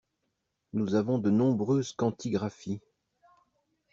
Nous avons de nombreuses quantigraphies